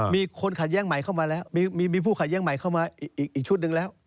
มีคนขัดแย้งใหม่เข้ามาแล้วมีผู้ขัดแย้งใหม่เข้ามาอีกชุดหนึ่งแล้ว